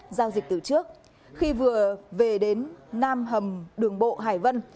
điều nhất giao dịch từ trước khi vừa về đến nam hầm đường bộ hải vân